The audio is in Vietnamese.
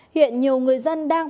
hiện nhiều người dân đang